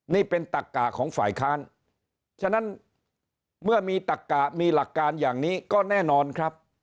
นี่เป็นตักกะของฝ่ายค้านฉะนั้นเมื่อมีตักกะมีหลักการอย่างนี้ก็แน่นอนครับ